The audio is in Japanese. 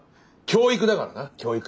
教育だからな教育。